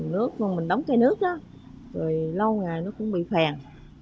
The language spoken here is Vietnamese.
nước mình đóng cây nước đó rồi lâu ngày nó cũng bị phèn